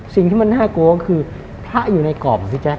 สิ่งที่มันน่ากลัวคือพระอยู่ในกรอบสิแจ๊ค